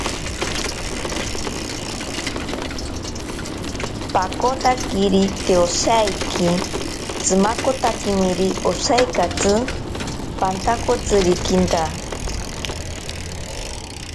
Paakotakiri te osaiki tsimakotakimiri, osaikatsi pantakotsirikinta.